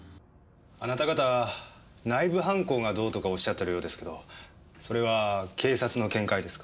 あなた方内部犯行がどうとかおっしゃってるようですけどそれは警察の見解ですか？